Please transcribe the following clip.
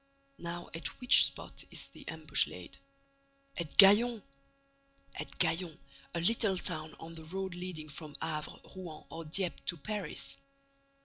Now at which spot is the ambush laid? At Gaillon! At Gaillon, a little town on the road leading from Havre, Rouen or Dieppe to Paris!